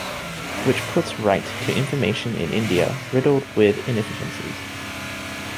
Which puts Right to Information in India riddled with inefficiencies.